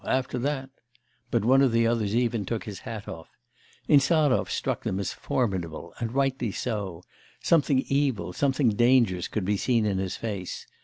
after that'; but one of the others even took his hat off. Insarov struck them as formidable, and rightly so; something evil, something dangerous could be seen in his face.